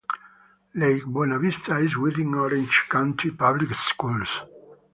Lake Buena Vista is within Orange County Public Schools.